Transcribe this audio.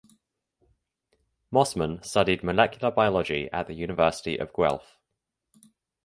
Mossman studied molecular biology at the University of Guelph.